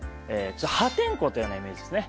破天荒というようなイメージですね。